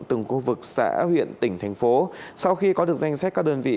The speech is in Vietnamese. từng khu vực xã huyện tỉnh thành phố sau khi có được danh sách các đơn vị